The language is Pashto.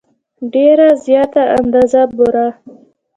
ډېره زیاته اندازه بوره.